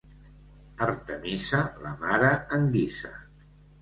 Artemisa, la mare en guisa.